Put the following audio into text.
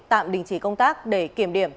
tạm đình chỉ công tác để kiểm điểm